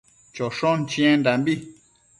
choshon chiendambi